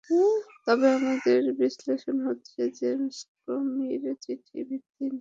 তবে আমাদের বিশ্লেষণ হচ্ছে, জেমস কোমির চিঠি ভিত্তিহীন সন্দেহের জন্ম দিয়েছিল।